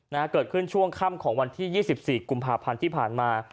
นะฮะเกิดขึ้นช่วงค่ำของวันที่ยี่สิบสี่กุมภาพันธ์ที่ผ่านมา